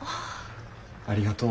ありがとう。